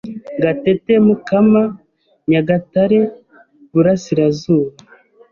Gatete Mukama NyagatareIburasirazuba